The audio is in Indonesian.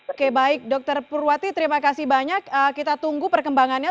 oke baik dokter purwati terima kasih banyak kita tunggu perkembangannya